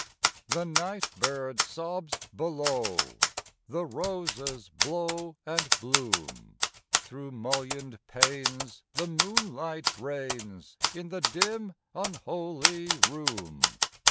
The nightbird sobs below; The roses blow and bloom; Through mullioned panes the moonlight rains In the dim, unholy room.